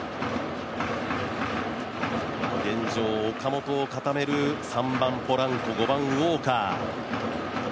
現状、岡本を固める３番・ポランコ５番・ウォーカー。